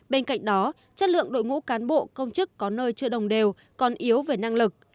bên cạnh đó chất lượng đội ngũ cán bộ công chức có nơi chưa đồng đều còn yếu về năng lực